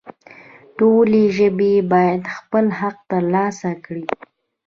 ټولې ژبې باید خپل حق ترلاسه کړي